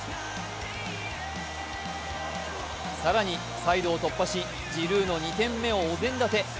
更にサイドを突破し、ジルーの２点目をお膳立て。